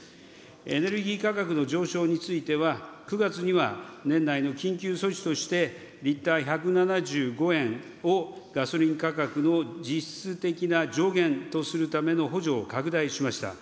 エネルギー価格の上昇については、９月には、年内の緊急措置としてリッター１７５円をガソリン価格の実質的な上限とするための補助を拡大しました。